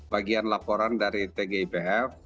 bagian laporan dari tgipf